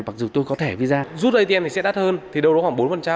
mặc dù tôi có thẻ visa rút atm thì sẽ đắt hơn thì đâu đó khoảng bốn